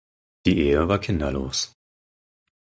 Die Ehe war kinderlos.